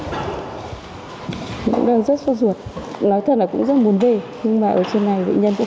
tôi cũng đang rất sốt ruột nói thật là cũng rất muốn về nhưng mà ở trên này bệnh nhân cũng